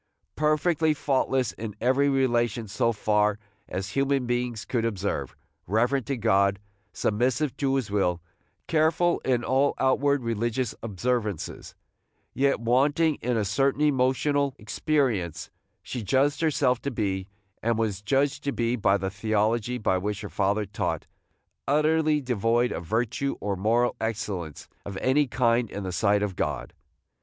Perfectly faultless in every relation so far as human beings could observe, reverent to God, submissive to his will, careful in all outward religious observances, yet wanting in a certain emotional experience, she judged herself to be, and was judged to be by the theology which her father taught, utterly devoid of virtue or moral excellence of any kind in the sight of God.